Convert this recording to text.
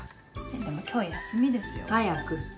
でも今日休みですよ？早く。